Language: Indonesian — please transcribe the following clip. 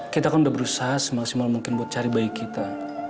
kita kan sudah berusaha semaksimal mungkin buat cari bayi kita